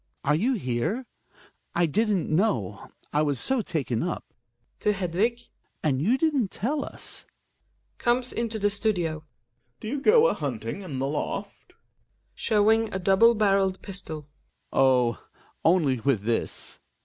Are you here ? I didn't know — I was so taken up — {To Hedvig.) And you didn't tell us Gomes into the studio. Gregers. Do you go a hunting in the loft ? Hjalmar {showing a double barreled pistol). Oh ! only with this.